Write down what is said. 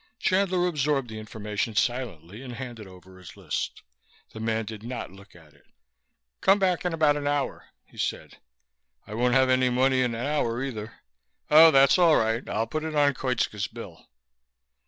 Chandler absorbed the information silently and handed over his list. The man did not look at it. "Come back in about an hour," he said. "I won't have any money in an hour, either." "Oh, that's all right. I'll put it on Koitska's bill."